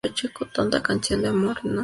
Tonta Canción de Amor No.